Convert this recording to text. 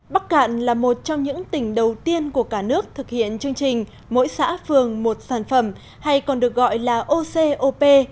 bắc cạn là một trong những tỉnh đầu tiên của cả nước thực hiện chương trình mỗi xã phường một sản phẩm hay còn được gọi là ocop